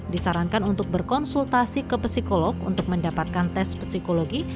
disarankan untuk berkonsultasi ke psikolog untuk mendapatkan tes psikologi